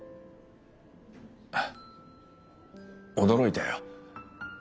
驚いたよ。